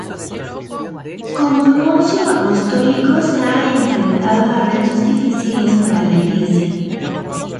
Como nuncio apostólico se ha enfrentado a retos difíciles para la Iglesia.